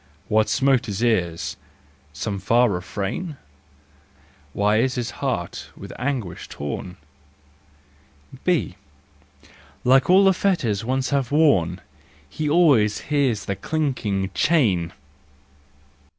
What smote his ears ? Some far refrain ? Why is his heart with anguish torn ? B. Like all that fetters once have worn, He always hears the clinking—chain